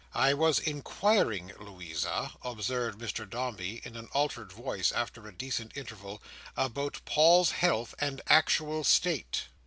"I was inquiring, Louisa," observed Mr Dombey, in an altered voice, and after a decent interval, "about Paul's health and actual state."